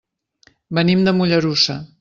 Venim de Mollerussa.